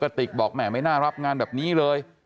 ติกบอกแหมไม่น่ารับงานแบบนี้เลย